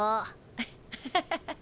アッハハハ。